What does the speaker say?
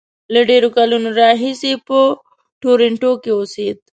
له ډېرو کلونو راهیسې په ټورنټو کې اوسېد.